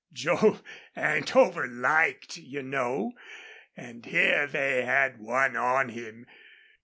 Joel ain't over liked, you know, an' here they had one on him.